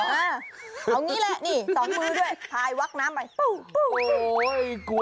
เอางี้แหละนี่สองมือด้วยพายวักน้ำไปโอ้โห